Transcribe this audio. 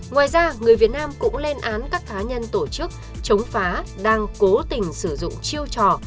ngoài ra người việt nam cũng lên án các cá nhân tổ chức chống phá đang cố tình sử dụng chiêu trò